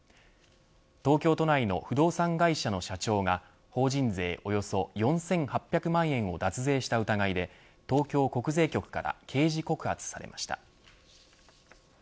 東京都内の不動産会社の社長が法人税およそ４８００万円を脱税した疑いで東京国税局から刑事告発されました。